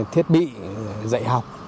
thiết bị dạy học